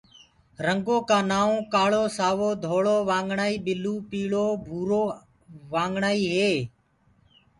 رنگآ ڪآ نآئونٚ ڪآݪو، سآوو، ڌوݪو، وآگڻآئي، بِلوُ، پيٚݪو، ڀُورو وآگڻآئي هينٚ۔